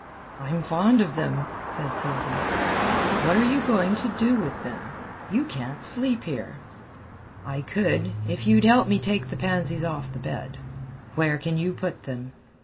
"I'm fond of them," said Selby. "What are you going to do with them? You can't sleep here." "I could, if you'd help me take the pansies off the bed." "Where can you put them?"